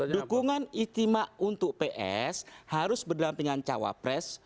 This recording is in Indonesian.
dukungan itima untuk ps harus berdampingan cawapres